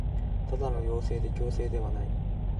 ただの要請で強制ではない